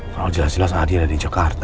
kalau jelas jelas adil ada di jakarta